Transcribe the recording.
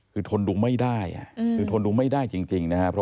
คือทนดูไม่ได้คือทนดูไม่ได้จริงนะครับ